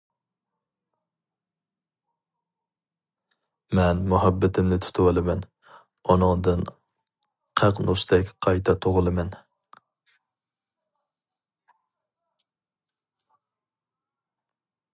مەن مۇھەببىتىمنى تۇتۇۋالىمەن، ئۇنىڭدىن قەقنۇستەك قايتا تۇغۇلىمەن.